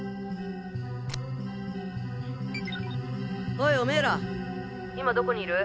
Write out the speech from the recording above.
おいオメーら今どこにいる？